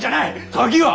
鍵は！